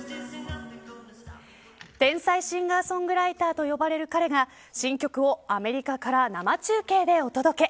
天才シンガーソングライターと呼ばれる彼が新曲をアメリカから生中継でお届け。